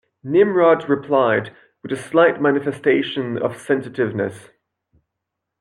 Nimrod replied, with a slight manifestation of sensitiveness.